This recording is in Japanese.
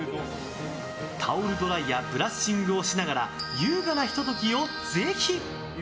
タオルドライやブラッシングをしながら優雅な、ひと時をぜひ！